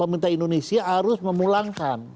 pemerintah indonesia harus memulangkan